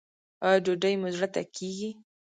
ایا ډوډۍ مو زړه ته کیږي؟